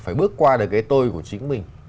phải bước qua được cái tôi của chính mình